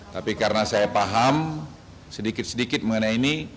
tapi karena saya paham sedikit sedikit mengenai ini